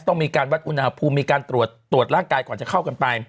ต้องมีการวัดอุณหภูมิมีการตรวจร่างกายก่อนจะเข้ากันไป